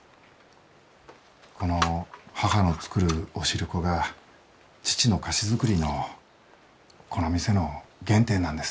この母の作るお汁粉が父の菓子作りのこの店の原点なんです。